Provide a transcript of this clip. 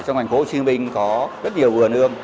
trong thành phố hồ chí minh có rất nhiều vườn ương